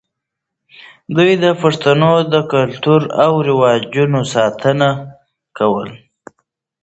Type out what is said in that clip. دوی د پښتنو د کلتور او رواجونو ساتنه کوله.